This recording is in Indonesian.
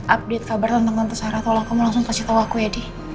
update kabar tentang tante sarah tolong kamu langsung kasih tau aku ya deddy